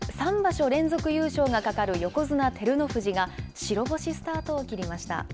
３場所連続優勝がかかる横綱・照ノ富士が、白星スタートを切りました。